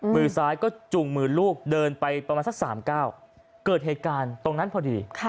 มือซ้ายก็จุงมือลูกเดินไปประมาณสัก๓๙เกิดเหตุการณ์ตรงนั้นพอดี